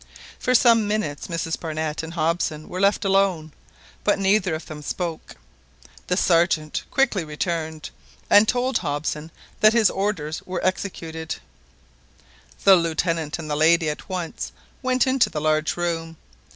For some minutes Mrs Barnett and Hobson were left alone, but neither of them spoke. The Sergeant quickly returned, and told Hobson that his orders were executed. The Lieutenant and the lady at once went into the large room.